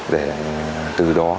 để từ đó